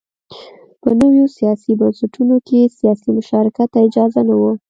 په نویو سیاسي بنسټونو کې سیاسي مشارکت ته اجازه نه وه.